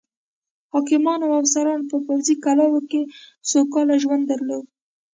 حاکمانو او افسرانو په پوځي کلاوو کې سوکاله ژوند درلوده.